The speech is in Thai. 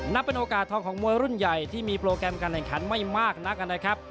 นับเป็นโอกาสทองของมวยรุ่นใหญ่ที่มีโปรแกรมการแข่งขันไม่มากนักนะครับ